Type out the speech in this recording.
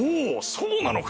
そうなのか？